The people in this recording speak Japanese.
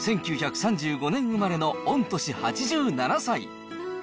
１９３５年生まれの御年８７歳。